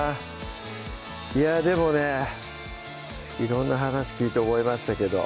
いやぁでもね色んな話聞いて思いましたけど